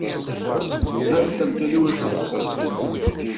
Tthabet amkan-iw iqedsen.